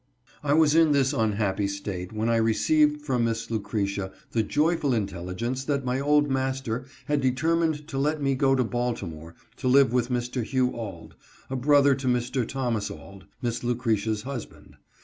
I was in this unhappy state when I received from Miss Lucretia the joyful intelligence that my old master had HE IS SENT TO BALTIMORE. 87 determined to let me go to Baltimore to live with Mr. Hugh Auld, a brother to Mr. Thomas Auld, Miss Lucre tia's husband.